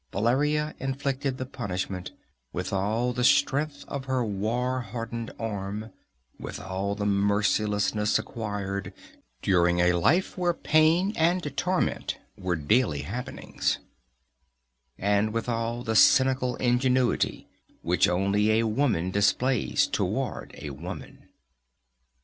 Valeria inflicted the punishment with all the strength of her war hardened arm, with all the mercilessness acquired during a life where pain and torment were daily happenings, and with all the cynical ingenuity which only a woman displays toward a woman.